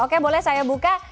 oke boleh saya buka